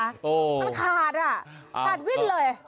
มันขาดอ่ะขาดวิ่นเลย